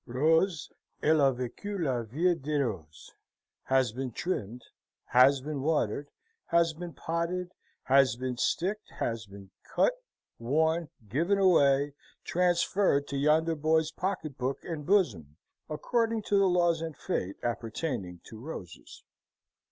Rose, elle a vecu la vie des roses, has been trimmed, has been watered, has been potted, has been sticked, has been cut, worn, given away, transferred to yonder boy's pocket book and bosom, according to the laws and fate appertaining to roses.